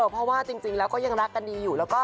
เพราะว่าจริงแล้วก็ยังรักกันดีอยู่แล้วก็